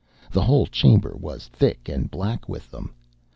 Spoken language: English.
The whole chamber was thick and black with them.